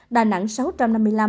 đà nẵng một sáu trăm năm mươi năm ca